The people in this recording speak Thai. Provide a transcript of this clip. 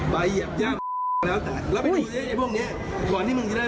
เคยอยู่ตรงนี้มาอยู่ก่อนหรือเปล่า